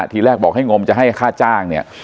ทีแรกบอกให้งมจะให้ค่าจ้างเนี่ย